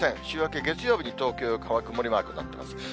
週明け月曜日に東京、横浜、曇りマークになってます。